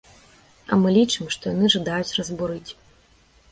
А мы лічым, што яны жадаюць разбурыць.